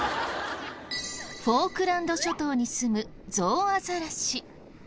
フォークランド諸島にすむゾウアザラシ。